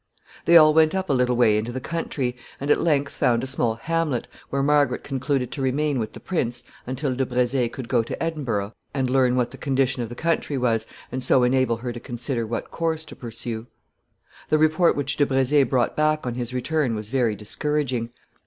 ] They all went up a little way into the country, and at length found a small hamlet, where Margaret concluded to remain with the prince until De Brezé could go to Edinburgh and learn what the condition of the country was, and so enable her to consider what course to pursue. The report which De Brezé brought back on his return was very discouraging.